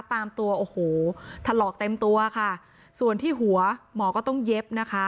ตามตัวโอ้โหถลอกเต็มตัวค่ะส่วนที่หัวหมอก็ต้องเย็บนะคะ